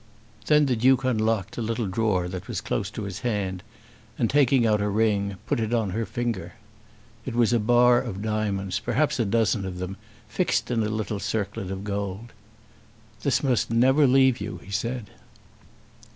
Then the Duke unlocked a little drawer that was close to his hand, and taking out a ring put it on her finger. It was a bar of diamonds, perhaps a dozen of them, fixed in a little circlet of gold. "This must never leave you," he said.